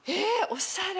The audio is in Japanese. おしゃれ。